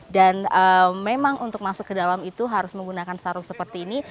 dan memang untuk masuk ke dalam itu harus menggunakan sarung seperti ini